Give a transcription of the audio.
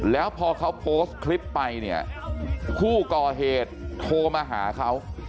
แล้วพอเขาโพสต์คลิปไปเนี่ยผู้ก่อเหตุโทรมาหาเขา